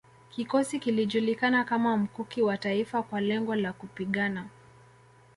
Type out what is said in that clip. Kikosi kilijulikana kama Mkuki wa Taifa kwa lengo la kupigana